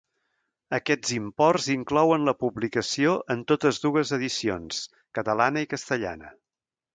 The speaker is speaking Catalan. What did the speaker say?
Aquests imports inclouen la publicació en totes dues edicions, catalana i castellana.